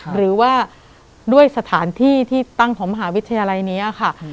หรือว่าด้วยสถานที่ที่ตั้งของมหาวิทยาลัยนี้ค่ะ